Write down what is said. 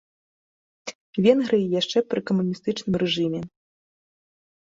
Венгрыі яшчэ пры камуністычным рэжыме.